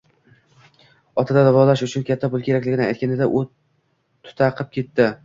Ota davolash uchun katta pul kerakligini aytganida, u tutaqib ketdi